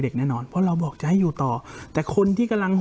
แน่นอนเพราะเราบอกจะให้อยู่ต่อแต่คนที่กำลัง